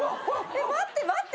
待って待って！